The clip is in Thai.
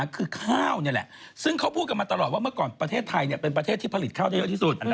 คือข้าวนี่แหละซึ่งเขาพูดกันมาตลอดว่าเมื่อก่อนประเทศไทยเป็นประเทศที่ผลิตข้าวได้เยอะที่สุด